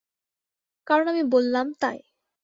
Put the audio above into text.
কারন আমি বললাম তাই।